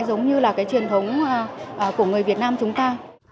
giống như là cái truyền thống của người việt nam chúng ta